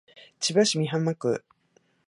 千葉市美浜区